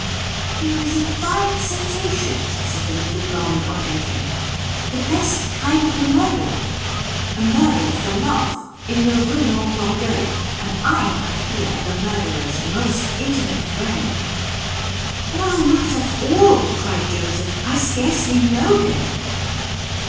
'Here is a fine sensation,' said the little blond on entering. 'The best kind of a murder! a murder for love, in the Rue Montorgueil, and I have here the murderer's most intimate friend.' 'No, not at all,' cried Joseph, 'I scarcely know him.'